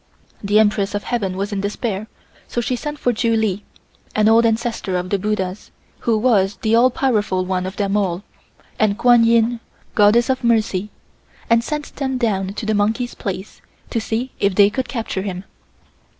The Empress of Heaven was in despair, so she sent for Ju Li, an old ancestor of the buddhas, who was the all powerful one of them all; and Kuan Yin, Goddess of Mercy, and sent them down to the monkey's place to see if they could capture him.